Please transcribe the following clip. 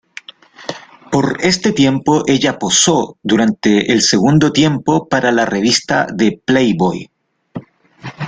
Por este tiempo ella posó durante el segundo tiempo para la revista de Playboy.